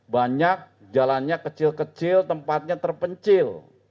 banyak jalannya kecil kecil tempatnya terpencil